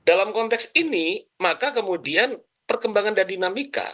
dalam konteks ini maka kemudian perkembangan dan dinamika